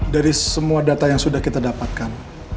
dari semua data yang sudah kita dapatkan